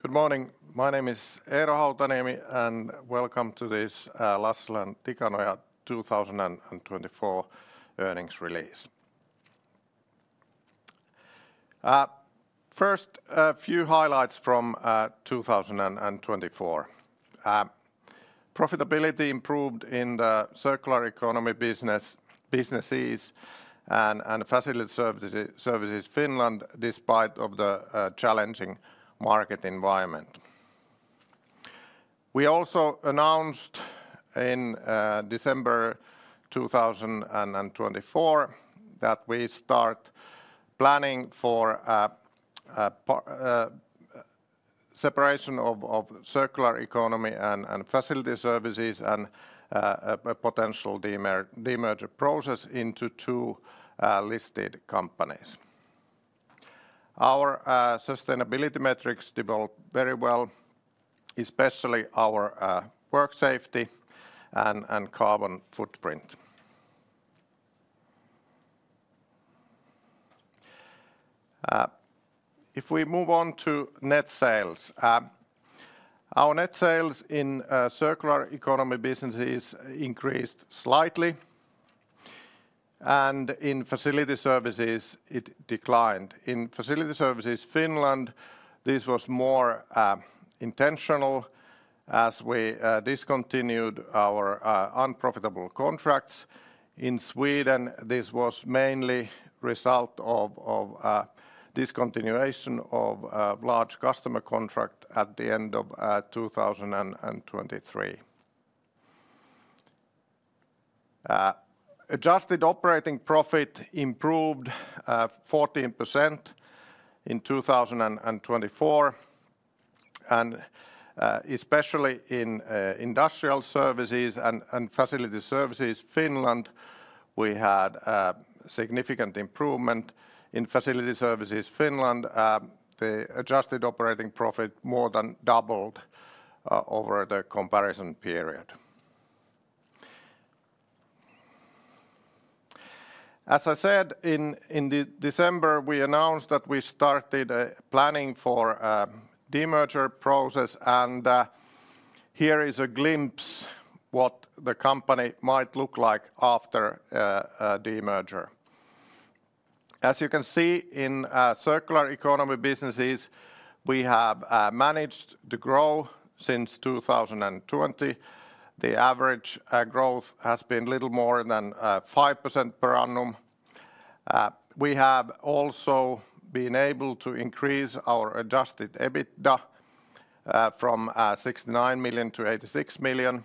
Good morning, my name is Eero Hautaniemi, and welcome to this Lassila & Tikanoja 2024 Earnings Release. First, a few highlights from 2024. Profitability improved in the Circular Economy businesses and Facility Services Finland despite the challenging market environment. We also announced in December 2024 that we start planning for. Separation of Circular Economy and Facility Services and a potential demerger process into two listed companies. Our sustainability metrics develop very well, especially our work safety and carbon footprint. If we move on to net sales, our net sales in Circular Economy businesses increased slightly. In Facility Services it declined. In Facility Services Finland, this was more intentional as we discontinued our unprofitable contracts in Sweden. This was mainly result of discontinuation of large customer contract at the end of 2023. Adjusted Operating Profit improved 14% in 2024 and especially in Industrial Services and Facility Services Finland, we had significant improvement. In Facility Services Finland, the Adjusted Operating Profit more than doubled over the comparison period. As I said in December, we announced that we started planning for demerger process and here is a glimpse what the company might look like after demerger. As you can see, in Circular Economy businesses we have managed to grow since 2020. The average growth has been little more than 5% per annum. We have also been able to increase our adjusted EBITDA from 69 million-86 million.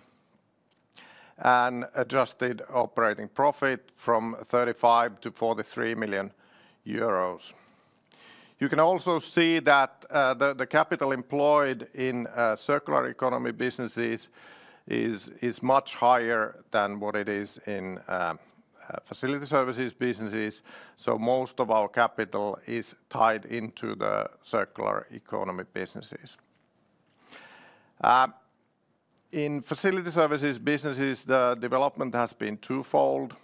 Adjusted Operating Profit from 35 million-43 million euros. You can also see that the capital employed in Circular Economy businesses is much higher than what it is in Facility Services businesses. So most of our capital is tied into the Circular Economy businesses. In Facility Services businesses, the development has been twofold.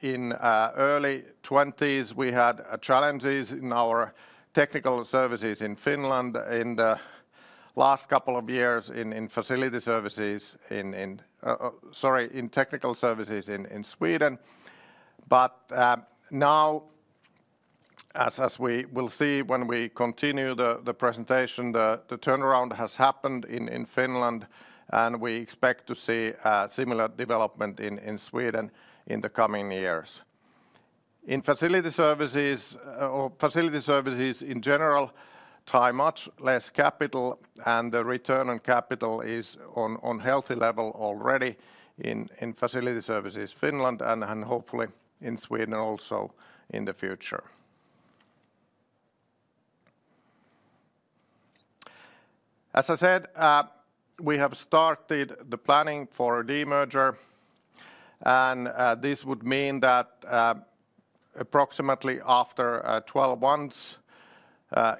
In early 2020s we had challenges in our technical services in Finland in the last couple of years. In Facility Services. Sorry, in technical services in Sweden. But now, as we will see when we continue the presentation, the turnaround has happened in Finland and we expect to see similar development in Sweden in the coming years. In Facility Services. Facility Services in general tie much less capital and the return on capital is on healthy level already in Facility Services Finland and hopefully in Sweden also in the future. As I said, we have started the planning for a demerger and this would mean that approximately after 12 months,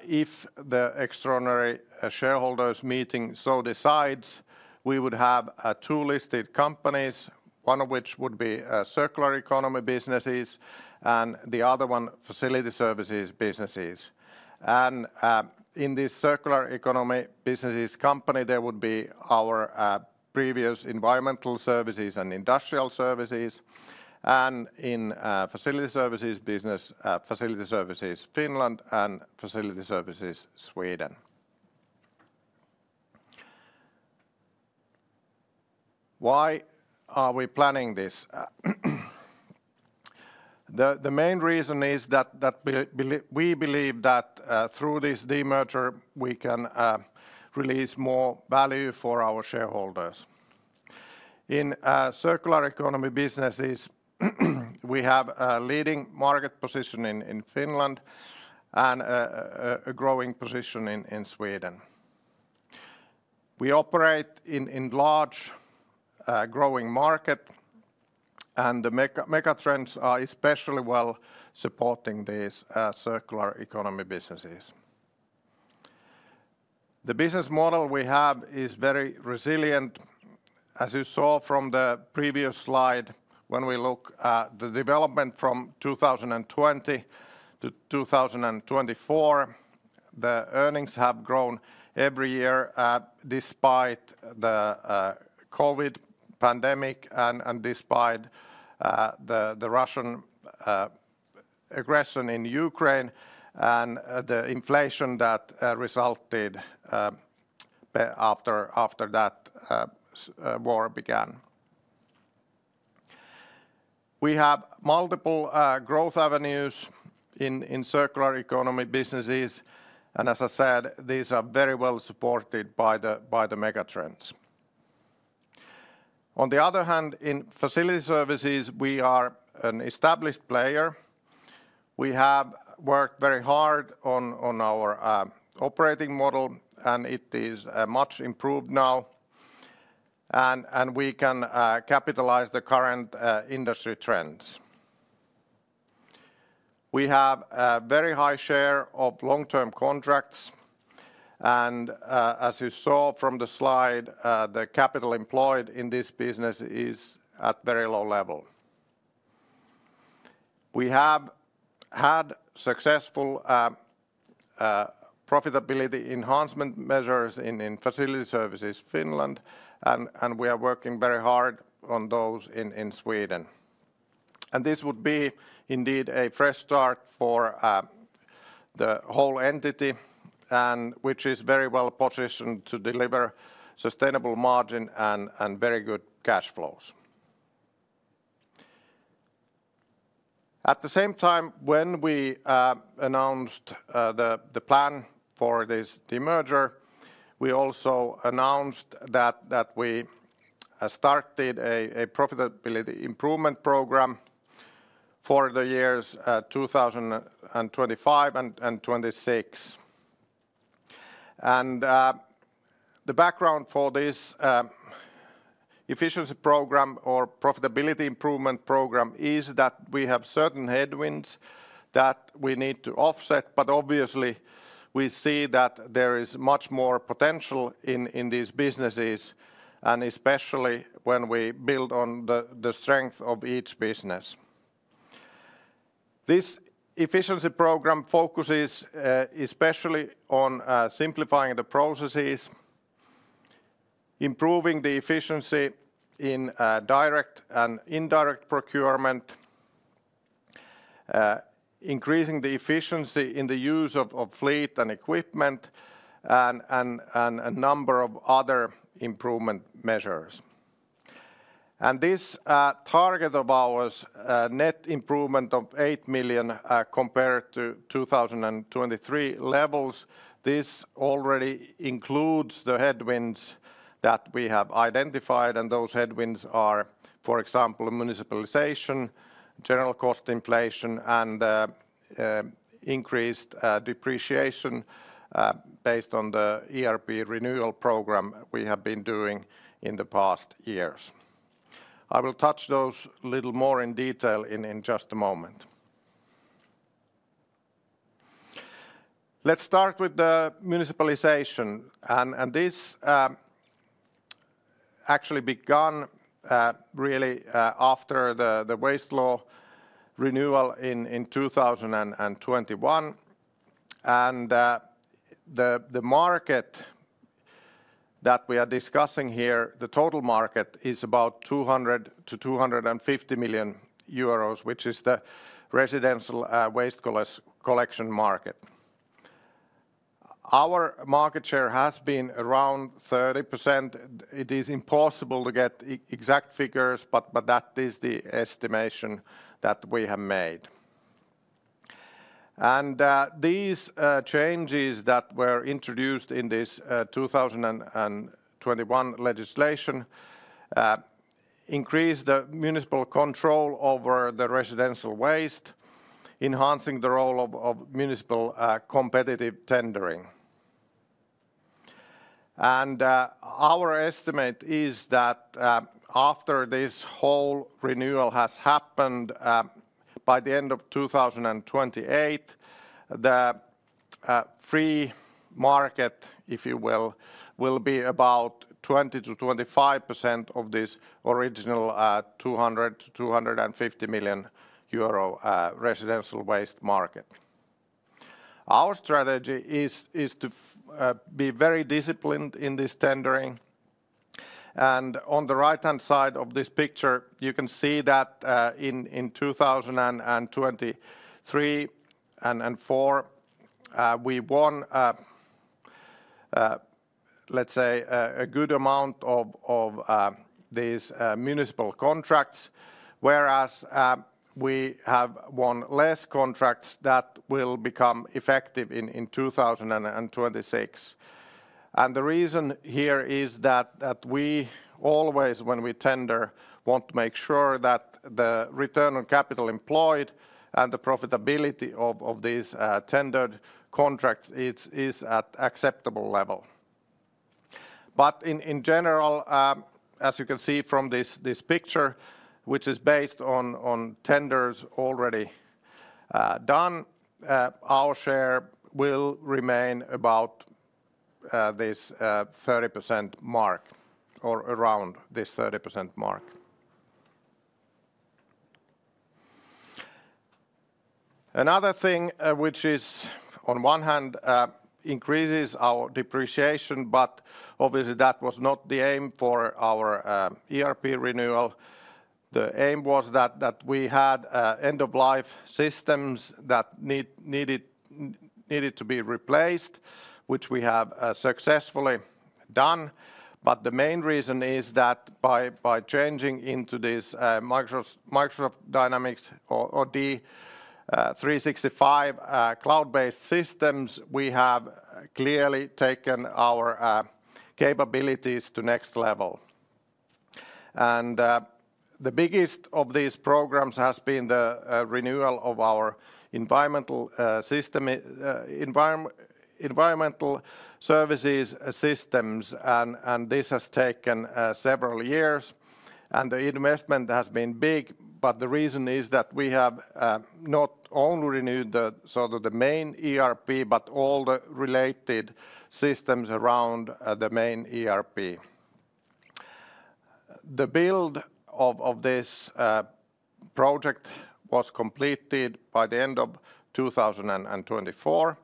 if the extraordinary shareholders meeting so decides, we would have two listed companies, one of which would be Circular Economy businesses and the other one Facility Services businesses, and in this Circular Economy businesses company there would be our previous Environmental Services and Industrial Services and in Facility Services business, Facility Services Finland and Facility Services Sweden. Why are we planning this? The main reason is that we believe that through this demerger we can release more value for our shareholders in Circular Economy businesses. We have a leading market position in Finland and a growing position in Sweden. We operate in large growing market and the megatrends are especially well supporting these Circular Economy businesses. The business model we have is very resilient, as you saw from the previous slide. When we look at the development from 2020-2024, the earnings have grown every year despite the COVID pandemic and despite the Russian aggression in Ukraine and the inflation that resulted. After that war began. We have multiple growth avenues in Circular Economy businesses. And as I said, these are very well supported by the megatrends. On the other hand, in Facility Services we are an established player. We have worked very hard on our operating model and it is much improved now. We can capitalize the current industry trends. We have a very high share of long-term contracts. And as you saw from the slide, the capital employed in this business is at a very low level. We have had successful. Profitability enhancement measures in Facility Services, Finland, and we are working very hard on those in Sweden. And this would be indeed a fresh start for the whole entity and which is very well positioned to deliver sustainable margin and very good cash flows. At the same time, when we announced the plan for this demerger, we also announced that we started a profitability improvement program for the years 2025 and 2026. The background for this. Efficiency program or profitability improvement program is that we have certain headwinds that we need to offset. But obviously we see that there is much more potential in these businesses and especially when we build on the strength of each business. This efficiency program focuses especially on simplifying the processes. Improving the efficiency in direct and indirect procurement. Increasing the efficiency in the use of fleet and equipment, and a number of other improvement measures. This target of ours, net improvement of 8 million compared to 2023 levels. This already includes the headwinds that we have identified. Those headwinds are, for example, municipalization, general cost inflation and increased depreciation based on the ERP renewal program we have been doing in the past years. I will touch those a little more in detail in just a moment. Let's start with the municipalization and this. Actually begun really after the waste law renewal in 2021 and the market. That we are discussing here. The total market is about 200 million-250 million euros, which is the residential waste collection market. Our market share has been around 30%. It is impossible to get exact figures, but that is the estimation that we have made. These changes that were introduced in this 2021 legislation. Increase the municipal control over the residential waste, enhancing the role of municipal competitive tendering. And our estimate is that after this whole renewal has happened, by the end of 2028, the free market, if you will, will be about 20%-25% of this original 200-250 million euro residential waste market. Our strategy is to be very disciplined in this tendering. And on the right hand side of this picture you can see that in 2023 and 2024 we won. Let's say a good amount of these municipal contracts, whereas we have won less contracts that will become effective in 2026. And the reason here is that we always, when we tender, want to make sure that the Return on Capital Employed and the profitability of these tendered contracts is at acceptable level. But in general, as you can see from this picture, which is based on tenders already done, our share will remain about this 30% mark or around this 30% mark. Another thing which is on one hand increases our depreciation. But obviously that was not the aim for our ERP renewal. The aim was that we had end of life systems that. Needed to be replaced, which we have successfully done. But the main reason is that by changing into this Microsoft Dynamics 365 cloud-based systems, we have clearly taken our capabilities to next level. And the biggest of these programs has been the renewal of our. Environmental Services systems. And this has taken several years and the investment has been big. But the reason is that we have not only renewed the main ERP but all the related systems around the main ERP. The build of this project was completed by the end of 2024.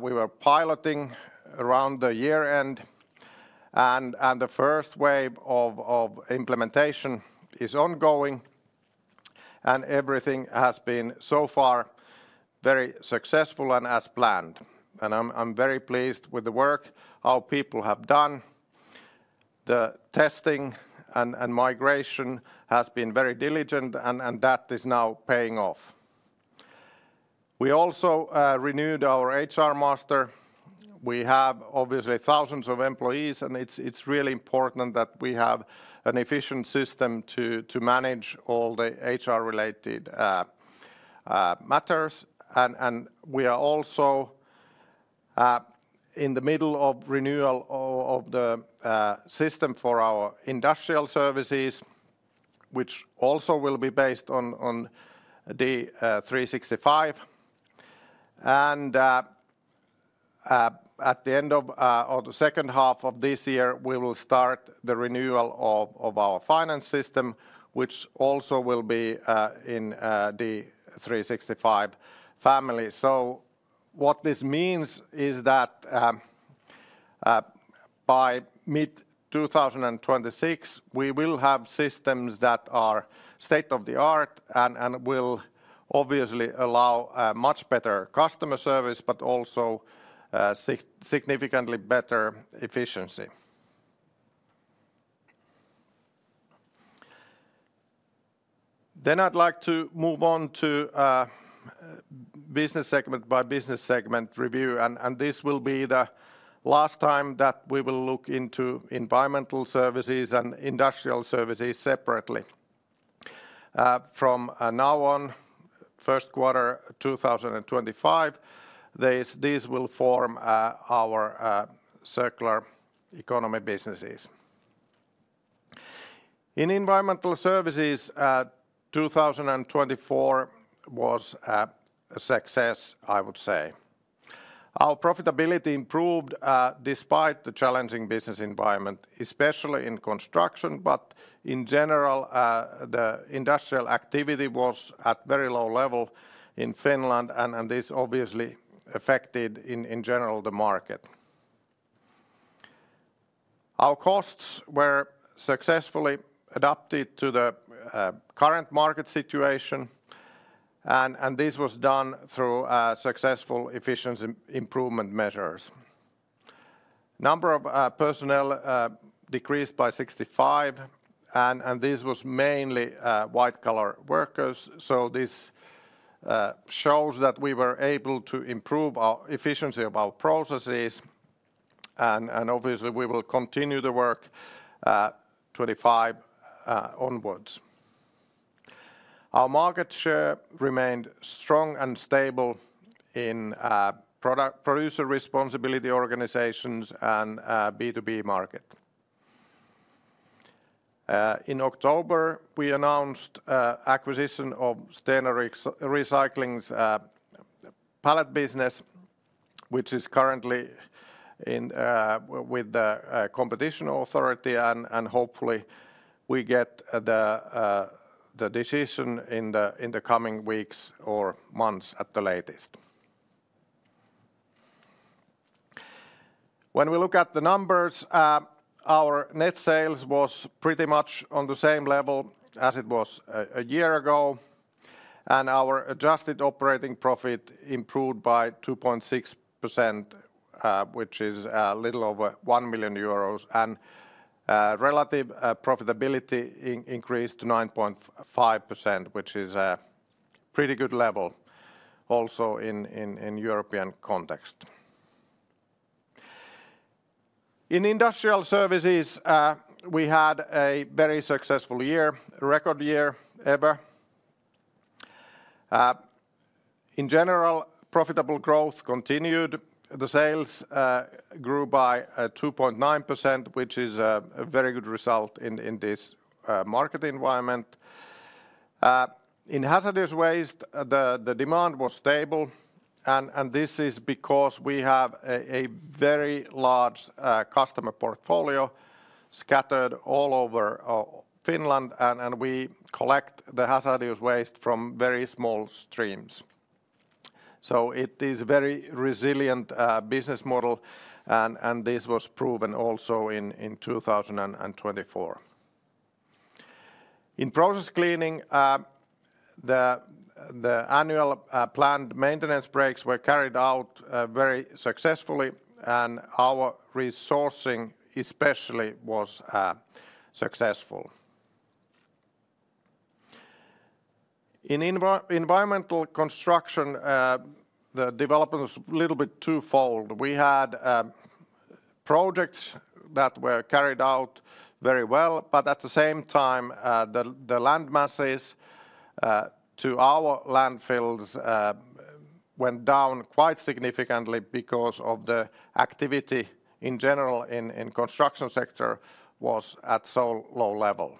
We were piloting around the year end and the first wave of implementation is ongoing, and everything has been so far very successful and as planned, and I'm very pleased with the work. How people have done the testing and migration has been very diligent and that is now paying off. We also renewed our HR Master. We have obviously thousands of employees, and it's really important that we have an efficient system to manage all the HR related. Matters, and we are also. In the middle of renewal of the system for our Industrial Services which also will be based on the 365. At the end of the second half of this year we will start the renewal of our finance system which also will be in the 365 family. So what this means is that. By mid-2026 we will have systems that are state of the art and will obviously allow much better customer service, but also significantly better efficiency. Then I'd like to move on to. Business segment by business segment review, and this will be the last time that we will look into Environmental Services and Industrial Services separately. From now on, first quarter 2025, these will form our Circular Economy businesses. In Environmental Services, 2024 was a success. I would say our profitability improved despite the challenging business environment, especially in construction, but in general the industrial activity was at very low level in Finland and this obviously affected in general the market. Our costs were successfully adapted to the current market situation and this was done through successful efficiency improvement measures. Number of personnel decreased by 65 and this was mainly white collar workers, so this shows that we were able to improve our efficiency of our processes and obviously we will continue the work 2025 onwards. Our market share remained strong and stable in producer responsibility organizations and B2B market. In October, we announced acquisition of Stena Recycling's pallet business, which is currently. With the competition authority, and hopefully we get the decision in the coming weeks or months at the latest. When we look at the numbers, our net sales was pretty much on the same level as it was a year ago. And our adjusted operating profit improved by 2.6%, which is a little over 1 million euros. And relative profitability increased to 9.5%, which is a pretty good level also in European context. In Industrial Services we had a very successful year, record year, ever. In general, profitable growth continued. The sales grew by 2.9%, which is a very good result in this market environment. In hazardous waste the demand was stable and this is because we have a very large customer portfolio scattered all over Finland and we collect the hazardous waste from very small streams, so it is very resilient business model, and this was proven also in 2024. In process cleaning. The annual planned maintenance breaks were carried out very successfully and our resourcing especially was successful. In environmental construction, the development was a little bit twofold. We had projects that were carried out very well, but at the same time the land masses to our landfills went down quite significantly because of the activity in general in construction sector was at so low level.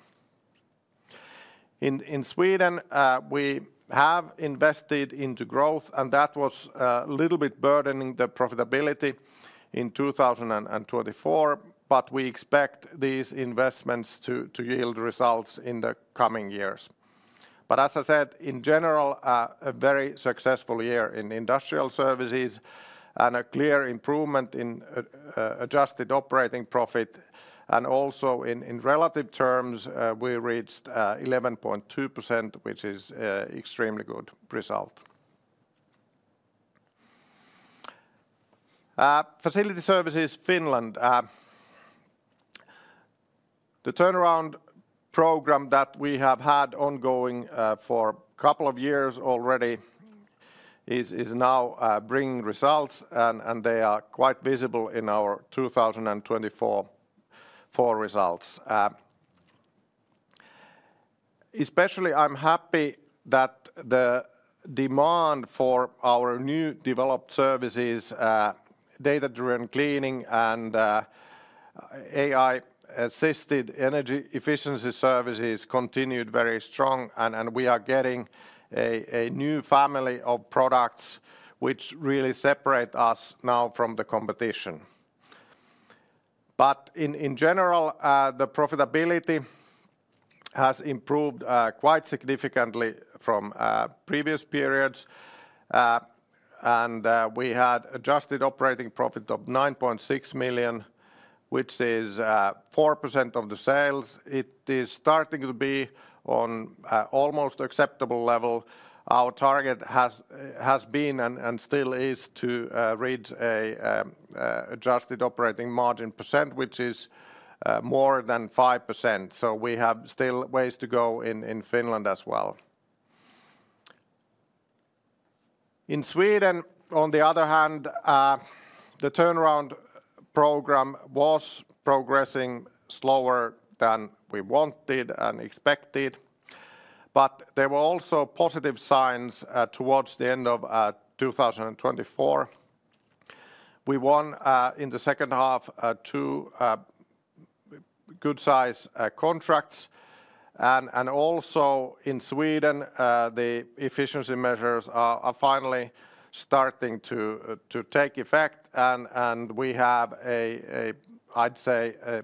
In Sweden we have invested into growth and that was a little bit burdening the profitability in 2024, but we expect these investments to yield results in the coming years, but as I said, in general a very successful year in industrial services and a clear improvement in adjusted operating profit, and also in relative terms we reached 11.2%, which is extremely good result. Facility Services Finland. The turnaround program that we have had ongoing for a couple of years already. Is now bringing results and they are quite visible in our 2024 results. Especially, I'm happy that the demand for our new developed services, data-driven cleaning and AI-assisted energy efficiency services, continued very strong, and we are getting a new family of products which really separate us now from the competition. But in general the profitability has improved quite significantly from previous periods. We had adjusted operating profit of 9.6 million, which is 4% of the sales. It is starting to be on almost acceptable level. Our target has been and still is to reach an adjusted operating margin percent, which is more than 5%. We have still ways to go in Finland as well. In Sweden, on the other hand, the turnaround program was progressing slower than we wanted and expected. But there were also positive signs towards the end of 2024. We won in the second half too. Good size contracts, and also in Sweden, the efficiency measures are finally starting to take effect and we have, I'd say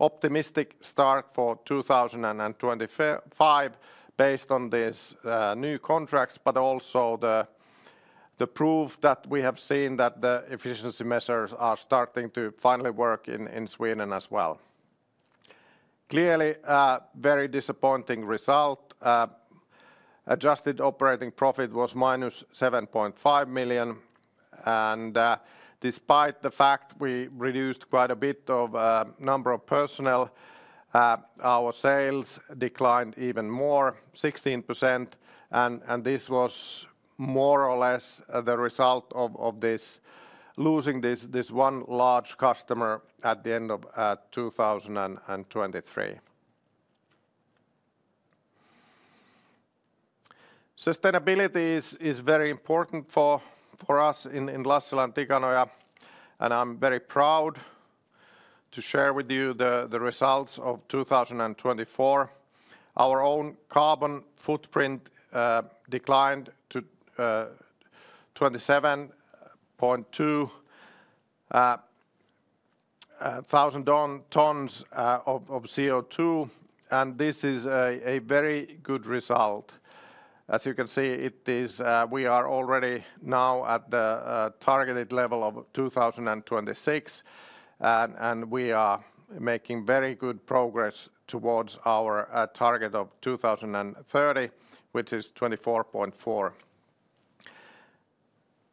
optimistic start for 2025 based on these new contracts, but also the proof that we have seen that the efficiency measures are starting to finally work in Sweden as well. Clearly very disappointing result. Adjusted Operating Profit was -7.5 million. And despite the fact we reduced quite a bit of number of personnel, our sales declined even more, 16%. And this was more or less the result of losing this one large customer at the end of 2023. Sustainability is very important for us in Lassila & Tikanoja and I'm very proud to share with you the results of 2024. Our own carbon footprint declined to 27.2. Thousand tons of CO2 and this is a very good result. As you can see, we are already now at the targeted level of 2026 and we are making very good progress towards our target of 2030, which is 24.4.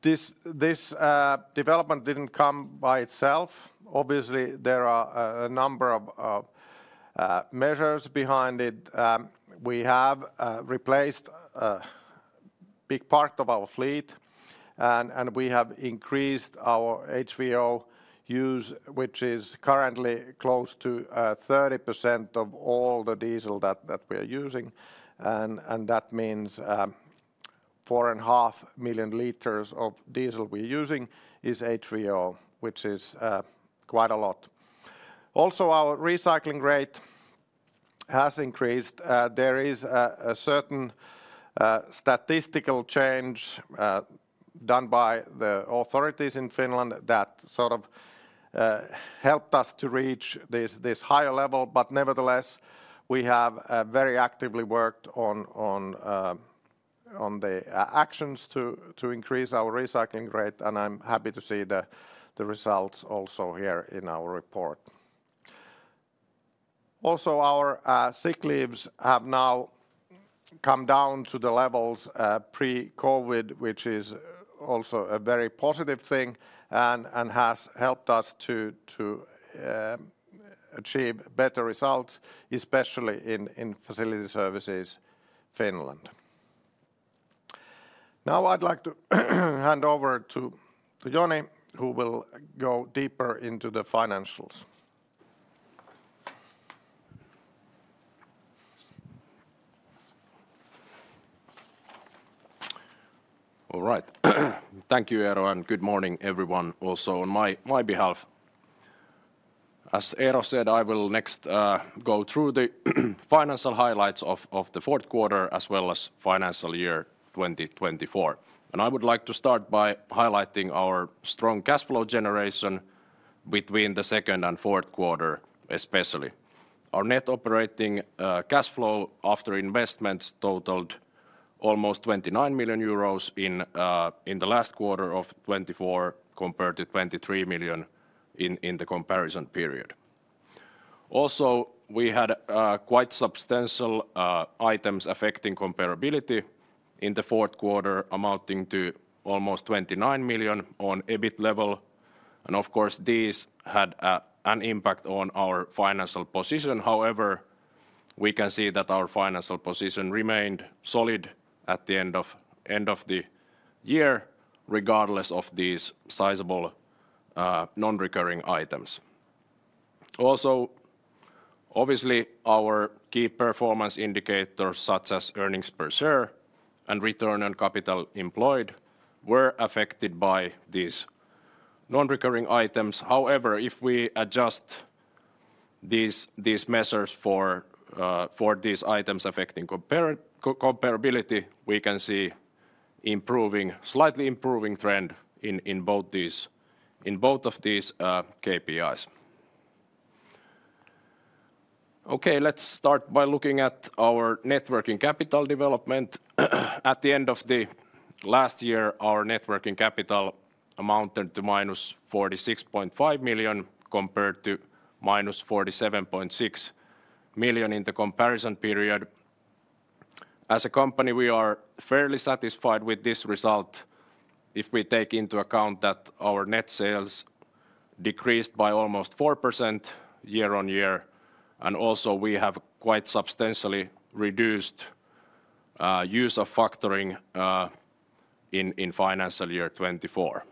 This development didn't come by itself. Obviously there are a number of measures behind it. We have replaced big part of our fleet and we have increased our HVO use, which is currently close to 30% of all the diesel that we are using. And that means 4.5 million liters of diesel we're using is HVO, which is quite a lot. Also our recycling rate has increased. There is a certain statistical change done by the authorities in Finland that sort of helped us to reach this higher level. But nevertheless we have very actively worked. On. On the actions to increase our recycling rate, and I'm happy to see the results also here in our report. Also, our sick leaves have now come down to the levels pre-COVID, which is also a very positive thing and has helped us to. Achieve better results, especially in Facility Services, Finland. Now I'd like to hand over to Joni who will go deeper into the financials. All right, thank you Eero and good morning everyone. Also on my behalf, as Eero said, I will next go through the financial highlights of the fourth quarter as well as financial year 2024 and I would like to start by highlighting our strong cash flow generation between the second and fourth quarter. Especially our net operating cash flow after investments totaled almost 29 million euros in last quarter of 2024 compared to 23 million in the comparison period. Also we had quite substantial items affecting comparability in the fourth quarter amounting to almost 29 million on EBIT level and of course these had an impact on our financial position. However, we can see that our financial position remained solid at the end of the year regardless of these sizable non recurring items. Also obviously our key performance indicators such as earnings per share and Return on Capital Employed were affected by these non-recurring items. However, if we adjust. These measures for these items affecting comparability, we can see slightly improving trend. In both of these KPIs. Okay, let's start by looking at our net working capital development. At the end of the last year our net working capital amounted to -46.5 million compared to -47.6 million in the comparison period. As a company we are fairly satisfied with this result if we take into account that our net sales decreased by almost 4% year-on-year. Also we have quite substantially reduced use of factoring in financial year 2024.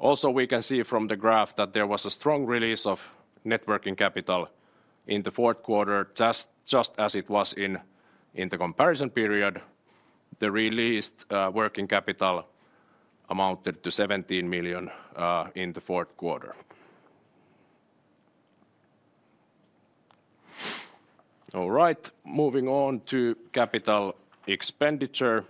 Also we can see from the graph that there was a strong release of net working capital in the fourth quarter just as it was in the comparison period. The released working capital amounted to 17 million in the fourth quarter. All right, moving on to capital expenditure.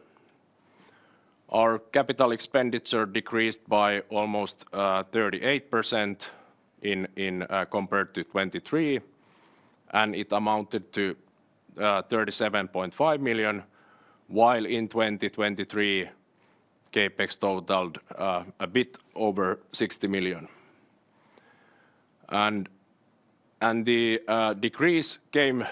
Our capital expenditure decreased by almost 38%. Compared to 2023 and it amounted to 37.5 million. While in 2023 CapEx totaled a bit over 60 million. The decrease came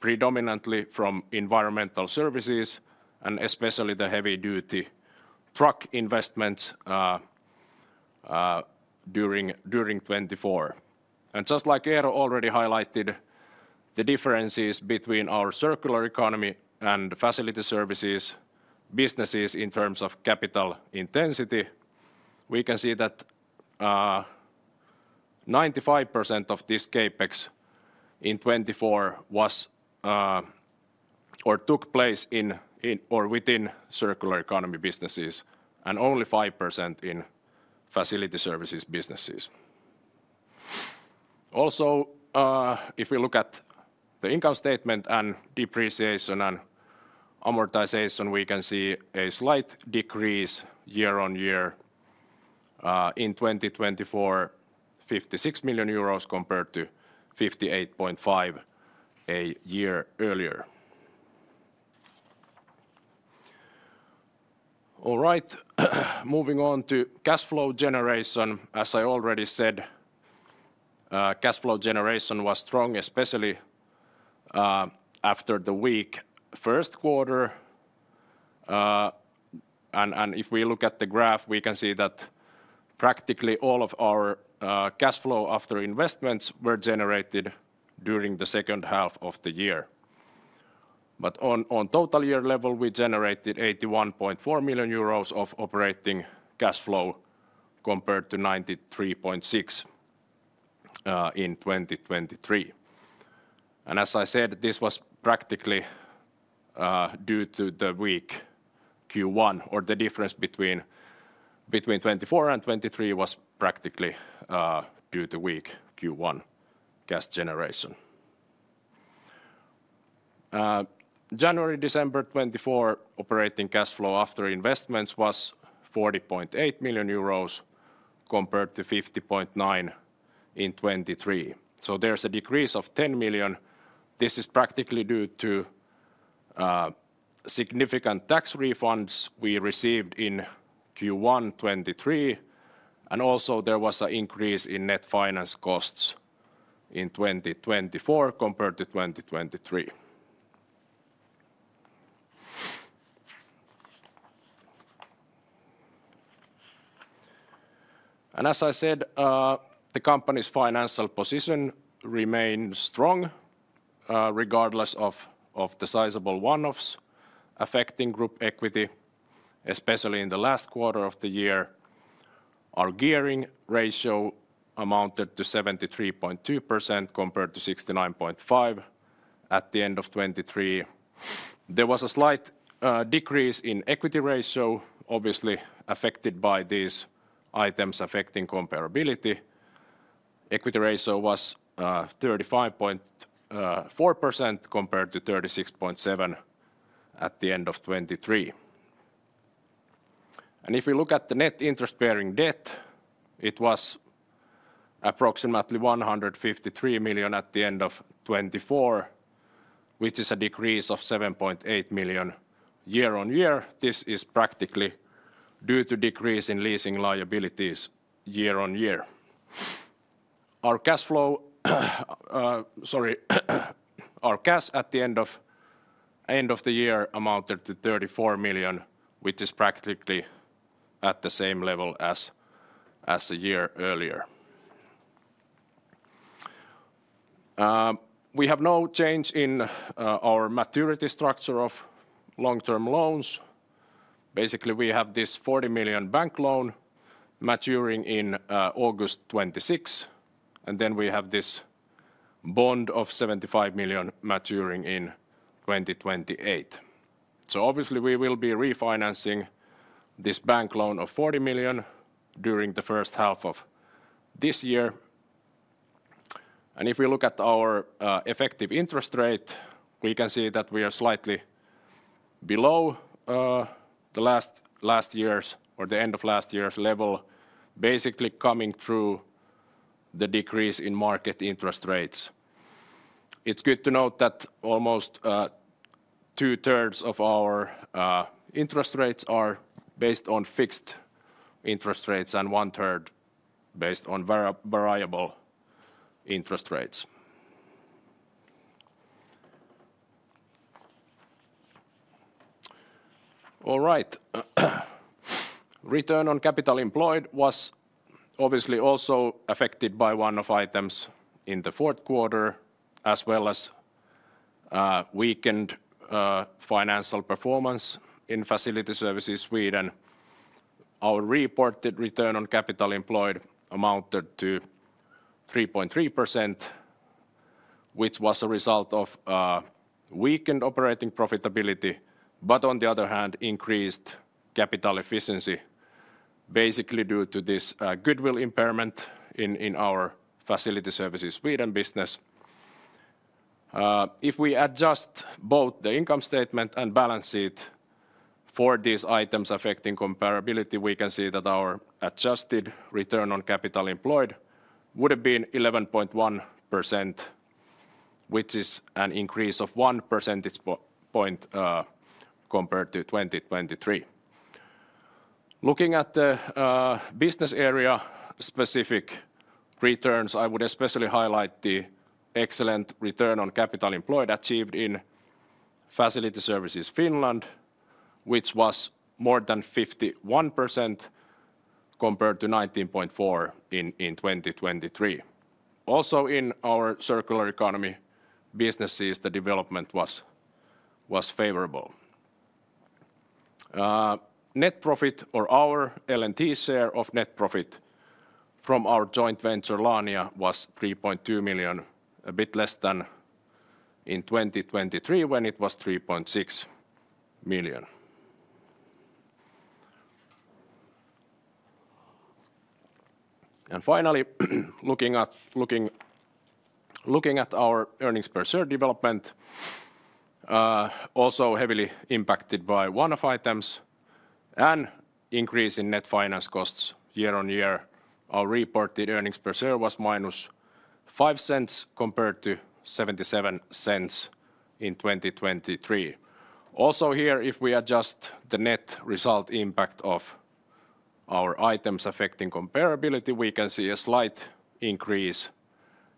predominantly from Environmental Services and especially the heavy duty truck investments. During 2024. Just like Eero already highlighted the differences between our Circular Economy and Facility Services businesses in terms of capital intensity, we can see that. 95% of this CapEx in 2024 was. Or took place in or within Circular Economy businesses and only 5% in Facility Services businesses. Also if we look at the income statement and depreciation and amortization, we can see a slight decrease year on year in 2024, 56 million euros compared to 58.5 a year earlier. All right, moving on to cash flow generation. As I already said, cash flow generation was strong, especially. After the weak first quarter. If we look at the graph, we can see that practically all of our cash flow after investments were generated during the second half of the year. On total year level, we generated 81.4 million euros of operating cash flow compared to 93.6 million in 2023. As I said, this was practically due to the weak Q1 or the difference between 2024 and 2023 was practically due to weak Q1 cash generation. to December 2024, operating cash flow after investments was 40.8 million euros compared to 50.9 million in 2023. So there's a decrease of 10 million. This is practically due to. Significant tax refunds we received in Q1 2023, and also there was an increase in net finance costs in 2024 compared to 2023. As I said, the company's financial position remains strong regardless of the sizable one-offs affecting group equity, especially in the last quarter of the year. Our gearing ratio amounted to 73.2% compared to 69.5% at the end of 2023. There was a slight decrease in equity ratio, obviously affected by these items affecting comparability. Equity ratio was 35.4% compared to 36.7% at the end of 2023. If we look at the net interest bearing debt, it was approximately 153 million at the end of 2024, which is a decrease of 7.8 million year on year. This is practically due to decrease in leasing liabilities year on year. Our cash flow, sorry, our cash at the end of the year amounted to 34 million, which is practically at the same level as a year earlier. We have no change in our maturity structure of long-term loans. Basically we have this 40 million bank loan maturing in August 26th and then we have this bond of 75 million maturing in 2028. So obviously we will be refinancing this bank loan of 40 million during the first half of this year. If we look at our effective interest rate, we can see that we are slightly below the last year's or the end of last year's level. Basically, coming through the decrease in market interest rates. It's good to note that almost 2/3 of our interest rates are based on fixed interest rates and one third based on variable interest rates. All right. Return on Capital Employed was obviously also affected by one-off items in the fourth quarter as well as weakened financial performance. In Facility Services Sweden, our reported Return on Capital Employed amounted to 3.3% which was a result of weakened operating profitability, but on the other hand increased capital efficiency basically due to this goodwill impairment in our Facility Services Sweden business. If we adjust both the income statement and balance sheet for these items affecting comparability, we can see that our adjusted return on capital employed would have been 11.1%, which is an increase of 1 percentage point compared to 2023. Looking at the business area specific returns, I would especially highlight the excellent return on capital employed achieved in Facility Services Finland, which was more than 51% compared to 19.4% in 2023. Also in our circular economy businesses, the development was favorable. Net profit or our L&T share of net profit from our joint venture Laania was 3.2 million, a bit less than in 2023 when it was 3.6 million. And finally. Looking at our earnings per share development. Also, heavily impacted by one-off items and increase in net finance costs year on year, our reported earnings per share was -0.05 compared to 0.77 in 2023. Also here, if we adjust the net result impact of our items affecting comparability, we can see a slight increase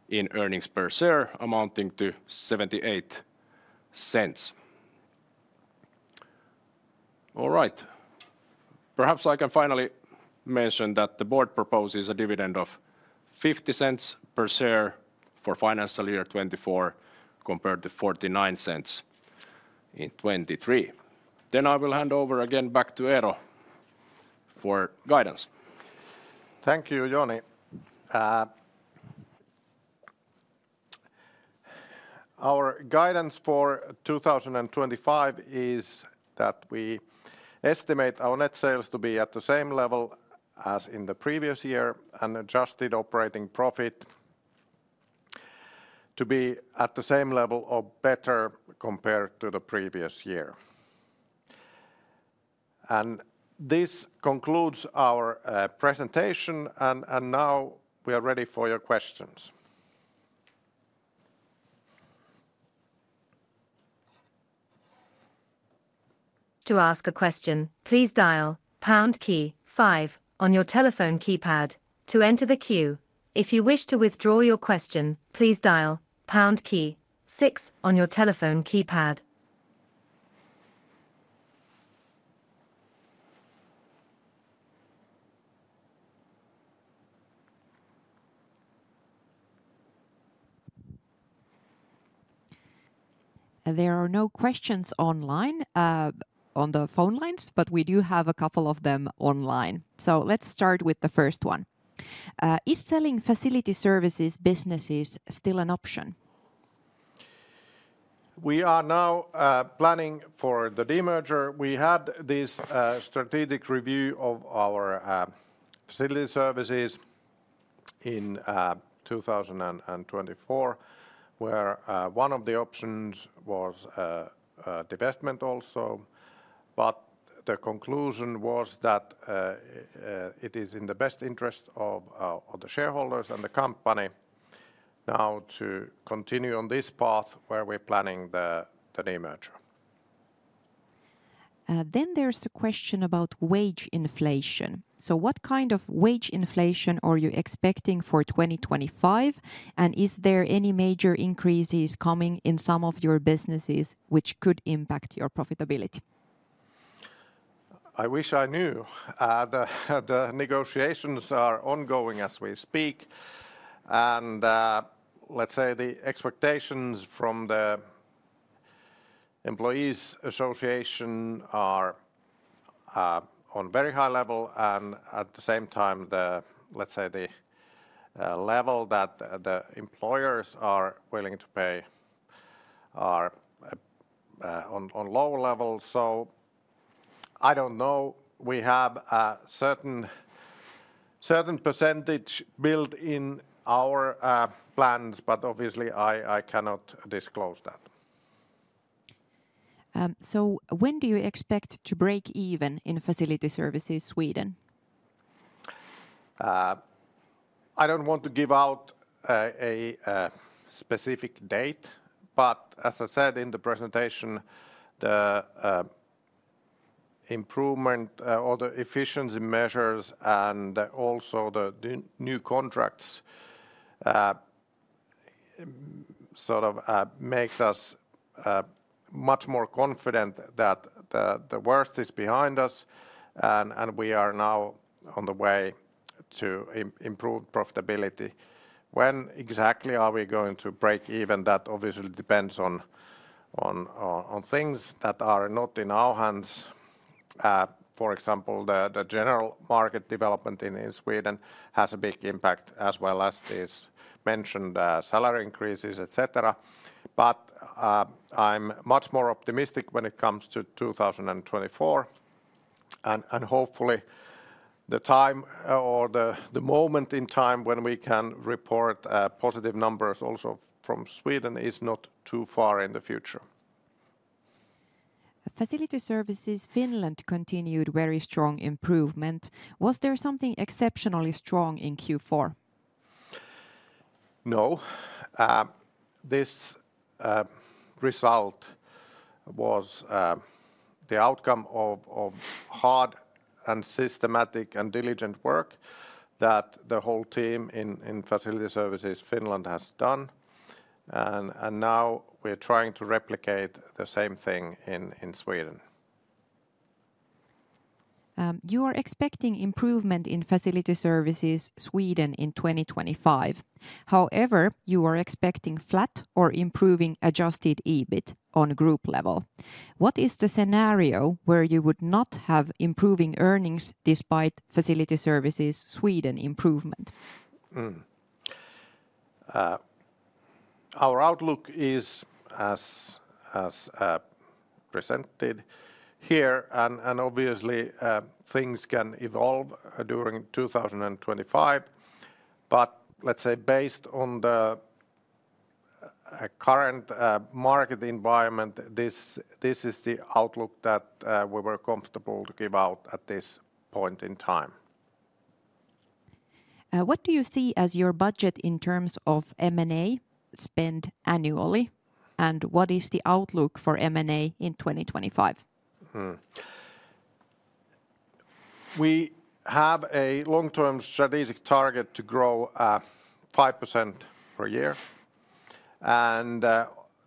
in earnings per share amounting to 0.78. All right, perhaps I can finally mention that the board proposes a dividend of 0.50 per share for financial year 2024 compared to 0.49 in 2023. Then I will hand over again back to Eero for guidance. Thank you, Joni. Our guidance for 2025 is that we estimate our net sales to be at the same level as in the previous year and adjusted operating profit. To be at the same level or better compared to the previous year. This concludes our presentation. Now we are ready for your questions. To ask a question, please dial pound key five on your telephone keypad to enter the queue. If you wish to withdraw your question, please dial pound key six on your telephone keypad. There are no questions online on the phone lines, but we do have a couple of them online. So let's start with the first one: Is selling Facility Services businesses still an option? We are now planning for the demerger. We had this strategic review of our Facility Services in 2024 where one of the options was divestment also. But the conclusion was that it is in the best interest of the shareholders and the company. Now to continue on this path where we're planning the new merger. Then there's a question about wage inflation. So what kind of wage inflation are you expecting for 2025 and is there any major increases coming in some of your businesses which could impact your profitability? I wish I knew. The negotiations are ongoing as we speak. And let's say the expectations from the. Employees association are on very high level and at the same time the, let's say, level that the employers are willing to pay are on low level. So I don't know. We have a certain. Percentage built in our plans, but obviously I cannot disclose that. So when do you expect to break even in Facility Services Sweden? I don't want to give out a specific date, but as I said in the presentation, the. Improvement or the efficiency measures and also the new contracts. Sort of makes us much more confident that the worst is behind us and we are now on the way to improved profitability. When exactly are we going to break even? That obviously depends on things that are not in our hands. For example, the general market development in Sweden has a big impact as well as this mentioned salary increases, etc. But I'm much more optimistic when it comes to 2024 and hopefully the time or the moment in time when we can report positive numbers also from Sweden is not too far in the future. Facility Services Finland continued very strong improvement. Was there something exceptionally strong in Q4? No. This result was the outcome of hard and systematic and diligent work that the whole team in Facility Services Finland has done. And now we're trying to replicate the same thing in Sweden. You are expecting improvement in Facility Services Sweden in 2025. However, you are expecting flat or improving adjusted EBIT on group level. What is the scenario where you would not have improving earnings despite Facility Services Sweden improvement? Our outlook is as. Presented here and obviously things can evolve during 2025, but let's say based on the. Current market environment, this is the outlook that we were comfortable to give out at this point in time. What do you see as your budget in terms of M&A spend annually and what is the outlook for M&A in 2025? We have a long-term strategic target to grow 5% per year and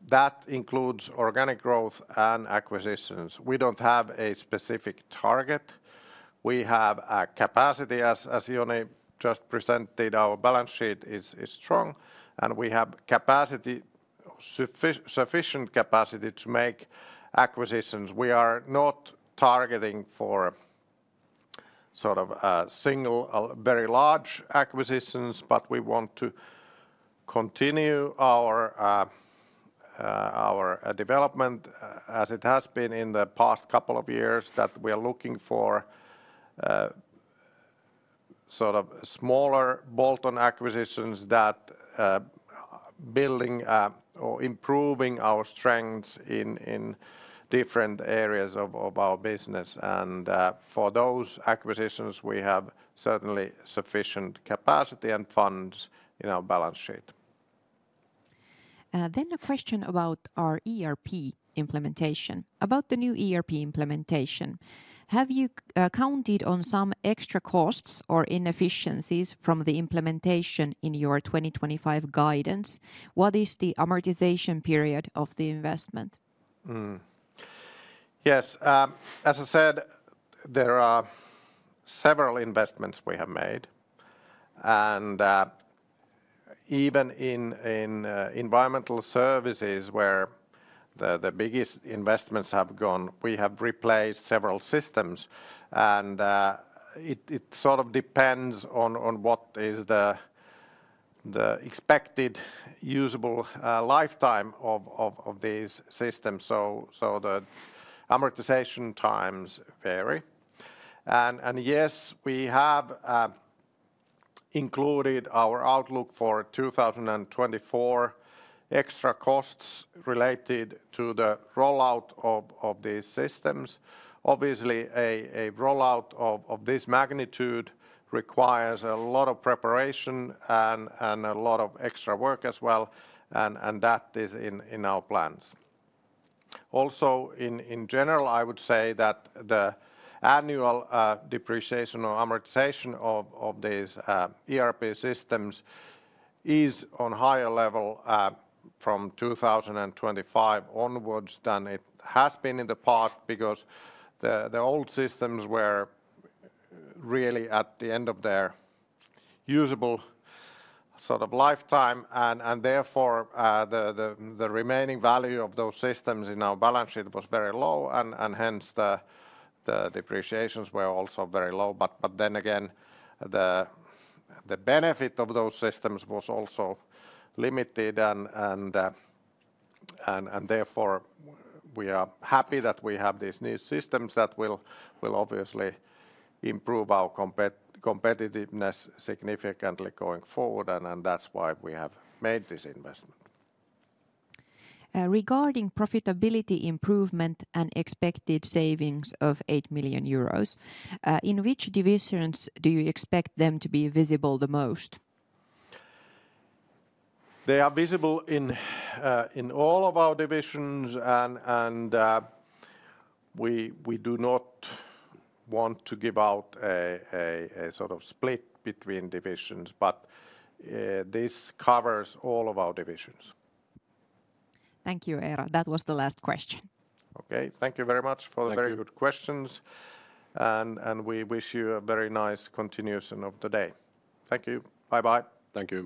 that includes organic growth and acquisitions. We don't have a specific target. We have capacity. As Joni just presented, our balance sheet is strong and we have sufficient capacity to make acquisitions. We are not targeting for sort of single very large acquisitions, but we want to continue our. Development as it has been in the past couple of years that we are looking for. Sort of smaller bolt-on acquisitions that building or improving our strengths in different areas of our business, and for those acquisitions, we have certainly sufficient capacity and funds in our balance sheet. A question about our ERP implementation, about the new ERP implementation. Have you counted on some extra costs or inefficiencies from the implementation in your 2025 guidance? What is the amortization period of the investment? Yes, as I said, there are several investments we have made, and. Even in Environmental Services, where the biggest investments have gone, we have replaced several systems, and it sort of depends on what is the expected usable lifetime of these systems. So the amortization times vary. And yes, we have. Included in our outlook for 2024 are extra costs related to the rollout of these systems. Obviously, a rollout of this magnitude requires a lot of preparation and a lot of extra work as well, and that is in our plans also. In general, I would say that the annual depreciation or amortization of these ERP systems is on higher level from 2025 onwards than it has been in the past, because the old systems were really at the end of their usable sort of lifetime, and therefore the remaining value of those systems in our balance sheet was very low, and hence the depreciations were also very low. But then again. The benefit of those systems was also limited. Therefore, we are happy that we have these new systems that will obviously improve our competitiveness significantly going forward. That's why we have made this investment. Regarding profitability improvement and expected savings of 8 million euros. In which divisions do you expect them to be visible the most? They are visible in all of our divisions, and. We do not want to give out a sort of split between divisions, but this covers all of our divisions. Thank you, Eero. That was the last question. Okay, thank you very much for the very good questions, and we wish you a very nice continuation of the day. Thank you. Bye bye. Thank you.